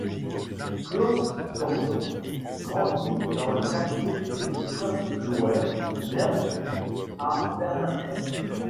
Klaus Kordon grandit dans le quartier de Prenzlauer Berg à Berlin-Est.